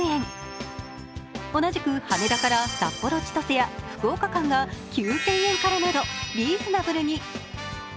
同じく羽田から札幌・千歳や福岡間が９０００円からなどリーズナブルに。